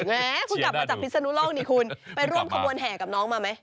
เพิ่งกลับมาจากพิศนุโลกนี่คุณไปร่วมขบวนแห่กับน้องมาไหม